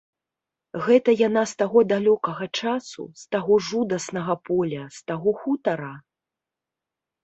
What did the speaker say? Гэта яна з таго далёкага часу, з таго жудаснага поля, з таго хутара?